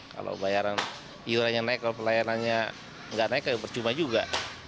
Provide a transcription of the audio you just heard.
kalau iurannya naik kalau pelayanannya nggak naik ya percuma juga